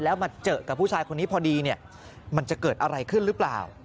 แล้วมาเจอกับผู้ชายคนนี้พอดีเนี่ยมันจะเกิดอะไรขึ้นหรือเปล่า